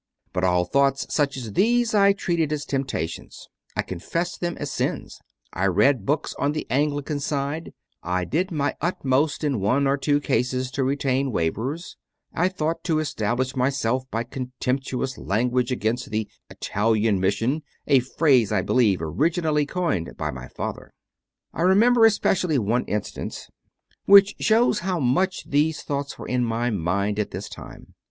But all thoughts such as these I treated as temptations; I confessed them as sins; I read books on the Anglican side; I did my utmost in one or two cases to retain waverers; I thought to establish myself by contemptuous language against the "Italian Mission" a phrase, I believe, originally coined by my father. I remember especially one incident which shows how much these thoughts were in my mind at this time.